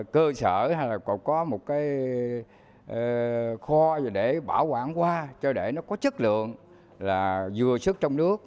cơ sở hay là còn có một cái kho để bảo quản hoa cho để nó có chất lượng là vừa sức trong nước